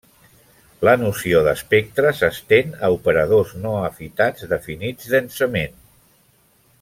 La noció d'espectre s'estén a operadors no afitats definits densament.